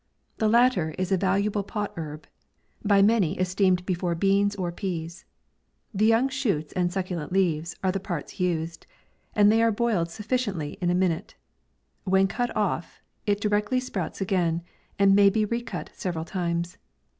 The latter is a valuable pot herb. by many esteemed before beans or peas ; the young shoots and succulent leaves are tin parts used, and they are boiled sufficiently in a minute. When cut off. it directly sprouts a gain, and may be recut several times.